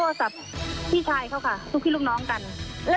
แล้วเขาไม่ยืมโทรศัพท์พี่ชายลูกพี่ลูกน้องเขาถ่ายรูปล่ะคะ